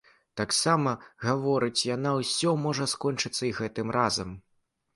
Таксама, гаворыць яна, усё можа скончыцца і гэтым разам.